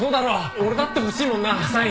俺だって欲しいもんなサイン。